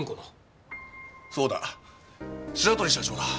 そうだ白鳥社長だ。